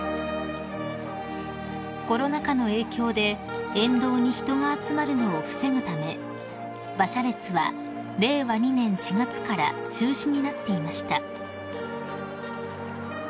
［コロナ禍の影響で沿道に人が集まるのを防ぐため馬車列は令和２年４月から中止になっていました］